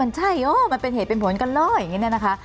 ใช่โอ้มันเป็นเหตุเป็นผลกันเลยอย่างนี้เนี่ยนะคะ